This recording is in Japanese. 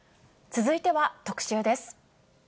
続いては特集です。